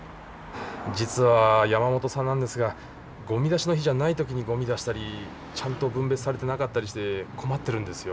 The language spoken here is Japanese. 実は山本さんなんですがゴミ出しの日じゃない時にゴミ出したりちゃんと分別されてなかったりして困ってるんですよ。